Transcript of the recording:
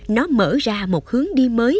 nó mở ra một hướng đi mới